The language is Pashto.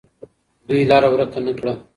دوی لاره ورکه نه کړه.